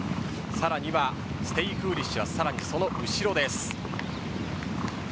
さらにステイフーリッシュはその後ろです。